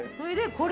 これ。